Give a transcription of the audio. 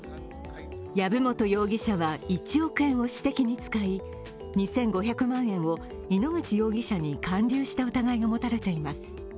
籔本容疑者は１億円を私的に使い２５００万円を井ノ口容疑者に環流した疑いが持たれています。